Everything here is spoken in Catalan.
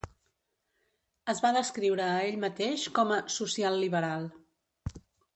Es va descriure a ell mateix com a "social liberal".